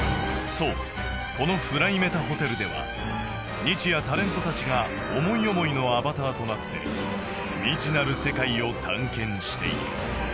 そうこの ＦｌｙＭｅｔａＨＯＴＥＬ では日夜タレントたちが思い思いのアバターとなって未知なる世界を探検している